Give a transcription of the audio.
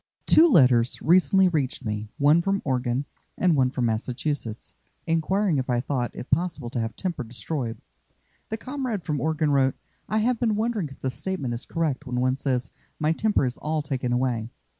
Two letters recently reached me, one from Oregon, and one from Massachusetts, inquiring if I thought it possible to have temper destroyed. The comrade from Oregon wrote: "I have been wondering if the statement is correct when one says, 'My temper is all taken away.'